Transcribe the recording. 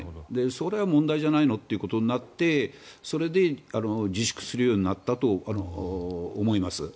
それは問題なんじゃないのってことになってそれで自粛するようになったと思います。